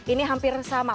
ini hampir sama